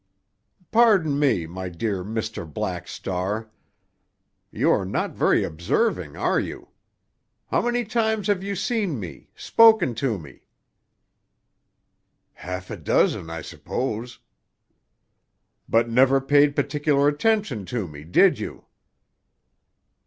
"Pardon me, my dear Mr. Black Star. You are not very observing, are you? How many times have you seen me, spoken to me?" "Half a dozen, I suppose." "But never paid particular attention to me, did you?"